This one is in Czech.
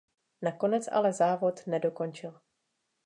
Nakonec ale závod nedokončil.